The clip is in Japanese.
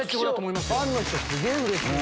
ファンすげぇうれしい。